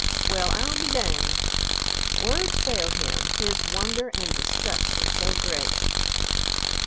Well, I'll be danged!" Words failed him, his wonder and disgust were so great.